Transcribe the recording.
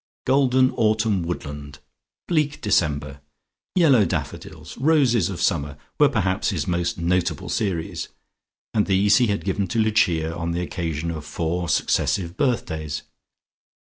"Golden Autumn Woodland," "Bleak December," "Yellow Daffodils," "Roses of Summer" were perhaps his most notable series, and these he had given to Lucia, on the occasion of four successive birthdays.